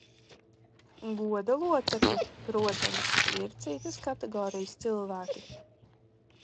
Goda locekļi, protams, ir citas kategorijas cilvēki.